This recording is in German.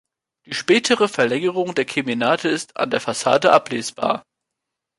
Die spätere Verlängerung der Kemenate ist an der Fassade ablesbar.